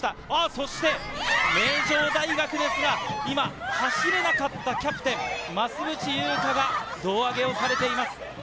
そして名城大学ですが、今、走れなかったキャプテン・増渕祐香が胴上げをされています。